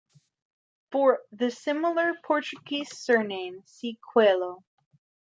For the similar Portuguese surname, see Coelho.